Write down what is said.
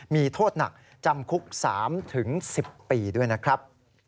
มีโทษหนักจำคุก๓๑๐ปีด้วยนะครับ